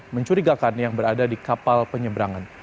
mencurigakan yang berada di kapal penyeberangan